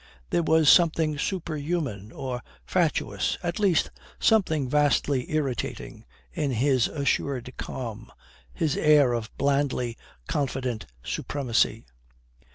There was something superhuman or fatuous, at least something vastly irritating, in his assured calm, his air of blandly confident supremacy.